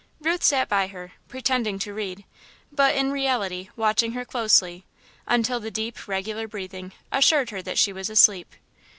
Ruth sat by her, pretending to read, but, in reality, watching her closely, until the deep, regular breathing assured her that she was asleep.